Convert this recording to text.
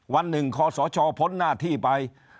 วันหนึ่งคอสชพ้นหน้าที่ไป